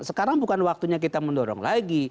sekarang bukan waktunya kita mendorong lagi